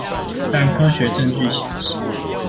但科學證據顯示